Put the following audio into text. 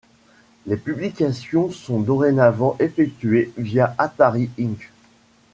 Les publications sont dorénavant effectuées via Atari Inc..